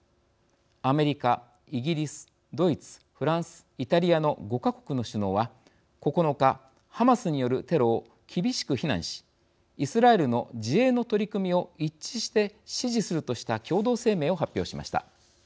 アメリカイギリスドイツフランスイタリアの５か国の首脳は９日ハマスによるテロを厳しく非難しイスラエルの自衛の取り組みを一致して支持するとした共同声明を発表しました。